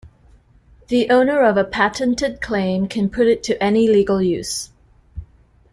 The owner of a patented claim can put it to any legal use.